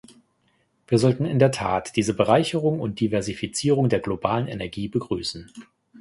Wir sollten in der Tat diese Bereicherung und Diversifizierung der globalen Energie begrüßen.